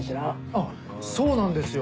あっそうなんですよ